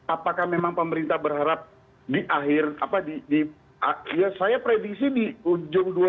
apakah memang pemerintah berharap di akhir apa di ya saya prediksi di ujung dua ribu